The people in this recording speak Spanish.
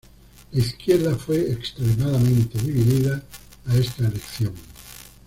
La izquierda fue extremadamente dividida a esta elección.